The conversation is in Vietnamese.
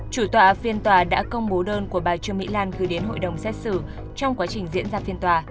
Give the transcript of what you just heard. chủ tọa phiên tòa đã công bố đơn của bà trương mỹ lan gửi đến hội đồng xét xử trong quá trình diễn ra phiên tòa